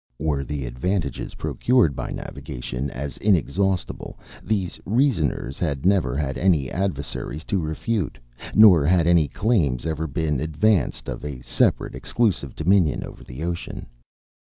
Were the advantages procured by navigation as inexhaustible, these reasoners had never had any adversaries to refute; nor had any claims ever been advanced of a separate, exclusive dominion over the ocean....